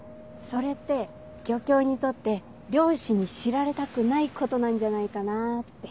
それって漁協にとって漁師に知られたくないことなんじゃないかなって。